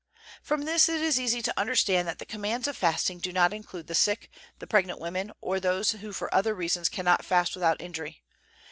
From this it is easy to understand that the commands of fasting do not include the sick, the pregnant women, or those who for other reasons cannot fast without injury.